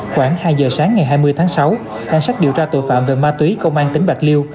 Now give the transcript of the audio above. khoảng hai giờ sáng ngày hai mươi tháng sáu cảnh sát điều tra tội phạm về ma túy công an tỉnh bạc liêu